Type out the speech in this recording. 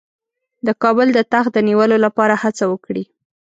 د کابل د تخت د نیولو لپاره هڅه وکړي.